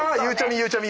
ゆうちゃみ